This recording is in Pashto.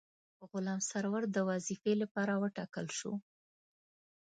غلام سرور د وظیفې لپاره وټاکل شو.